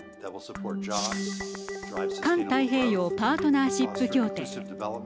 環太平洋パートナーシップ協定